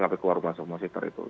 sampai keluar basah semua sekitar itu